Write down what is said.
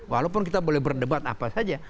walaupun kita boleh berdebat apa saja